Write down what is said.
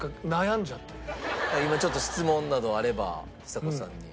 今ちょっと質問などあればちさ子さんに。